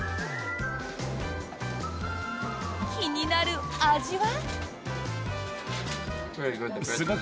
気になる味は？